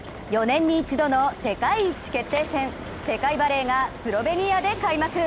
４年に１度の世界一決定戦、世界バレーがスロベニアで開幕。